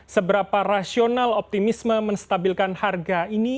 seberapa rasional optimisme menstabilkan harga ini